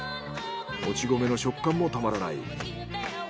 もち米の食感もたまらない。